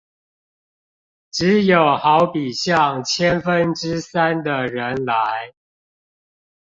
只有好比像千分之三的人來